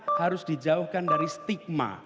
harus dijauhkan dari stigma